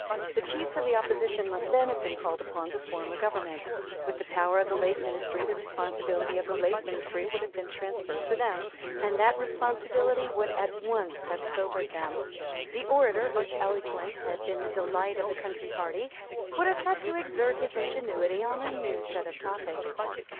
The chiefs of the opposition must then have been called upon to form a government. With the power of the late ministry the responsibility of the late ministry would have been transferred to them; and that responsibility would at once have sobered them. The orator whose eloquence had been the delight of the Country party would have had to exert his ingenuity on a new set of topics.